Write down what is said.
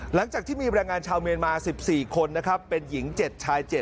หลังจากที่มีแบรนด์งานชาวเมียนมาสิบสี่คนนะครับเป็นหญิงเจ็ดชายเจ็ด